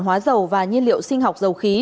hóa dầu và nhiên liệu sinh học dầu khí